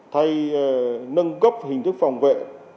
thay nâng cấp hình thức phòng vệ